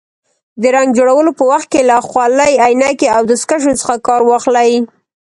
د رنګ جوړولو په وخت کې له خولۍ، عینکې او دستکشو څخه کار واخلئ.